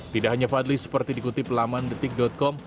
tidak hanya fadli seperti dikutip laman detik com